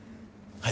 はい！